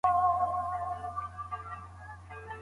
د الهي نافرمانيو په سبب مو د کور ديني او دنيوي برکتونه ختميږي.